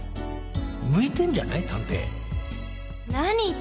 向いてんじゃない？